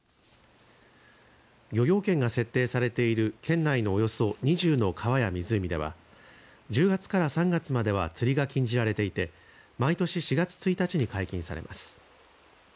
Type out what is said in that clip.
漁業権が設定されている県内のおよそ２０の川や湖では１０月から３月までは釣りが禁じられていて毎年４月１日に解禁されます。